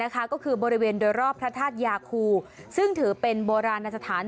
ก็คือบริเวณโดยรอบพระธาตุยาคูซึ่งถือเป็นโบราณสถาน